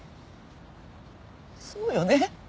そうよね？